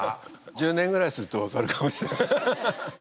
１０年ぐらいすると分かるかもしれない。